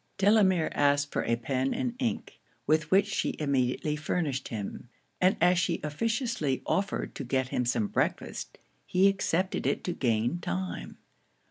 Delamere asked for a pen and ink, with which she immediately furnished him; and as she officiously offered to get him some breakfast, he accepted it to gain time.